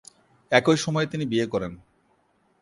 একই সময়ে তিনি বিয়ে করেন।